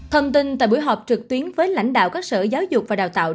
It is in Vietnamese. thông tin tại buổi họp trực tuyến với lãnh đạo các sở giáo dục và đào tạo